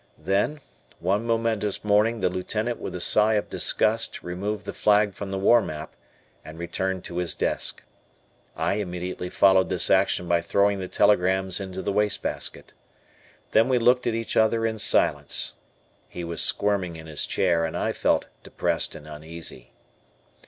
Then, one momentous morning the Lieutenant with a sigh of disgust removed the flag from the war map and returned to his desk. I immediately followed this action by throwing the telegrams into the wastebasket. Then we looked at each other in silence. He was squirming in his chair and I felt depressed and uneasy.